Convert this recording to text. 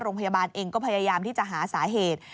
โรงพยาบาลเองก็พยายามที่จะหาสาเหตุ